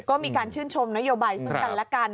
ก็มีการชื่นชมนโยบายซึ่งกันและกัน